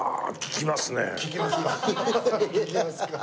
ききますか。